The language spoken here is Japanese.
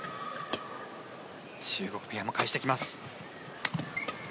中国ペアも返してきます。